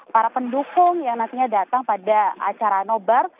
para pendukung yang nantinya datang pada acara nobar